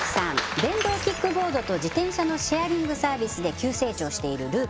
電動キックボードと自転車のシェアリングサービスで急成長しているループ